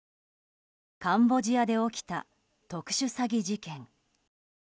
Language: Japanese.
カンボジアで起きた特殊詐欺事件。